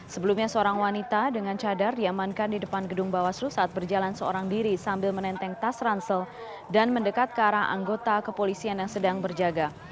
sebelumnya seorang wanita dengan cadar diamankan di depan gedung bawaslu saat berjalan seorang diri sambil menenteng tas ransel dan mendekat ke arah anggota kepolisian yang sedang berjaga